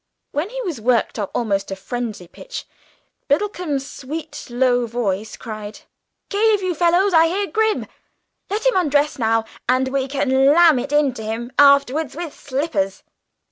When he was worked up almost to frenzy pitch Biddlecomb's sweet low voice cried, "Cave, you fellows! I hear Grim. Let him undress now, and we can lam it into him afterwards with slippers!"